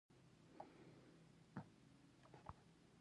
• د شپې چمک د سپوږمۍ له برکته وي.